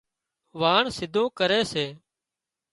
واڻ سيڌون ڪري سي